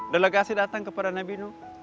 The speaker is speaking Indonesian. delegasi datang kepada nabi nu